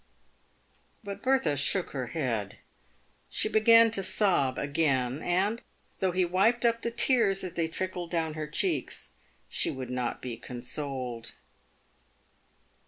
But Bertha shook her head. She began to sob again, and, though he wiped up the tears as they trickled down her cheeks, she w r ould not be consoled. TAVED WITH GOLD.